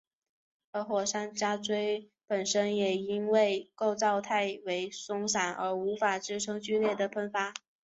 而火山渣锥本身也因为构造太为松散而无法支撑剧烈的喷发。